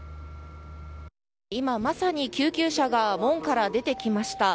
今、まさに救急車が門から出てきました。